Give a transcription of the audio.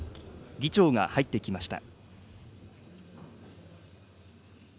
議長が入ってきました。